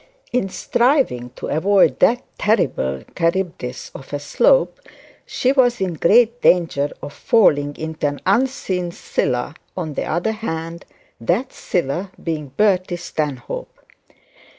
In striving to avoid that terrible Charybdis of a Slope she was in great danger of falling into an unseen Scylla on the other hand, that Scylla being Bertie Stanhope.